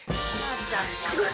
すごい！